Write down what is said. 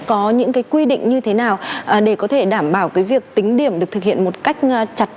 có những cái quy định như thế nào để có thể đảm bảo cái việc tính điểm được thực hiện một cách chặt